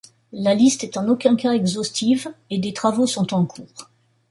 La liste est en aucun cas exhaustive et des travaux sont en cours.